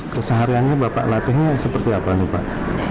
kesehariannya bapak latihnya seperti apa nih pak